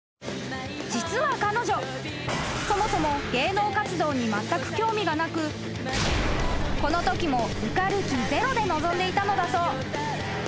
［実は彼女そもそも芸能活動にまったく興味がなくこのときも受かる気ゼロで臨んでいたのだそう］